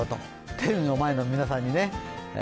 テレビの前の皆さんにね。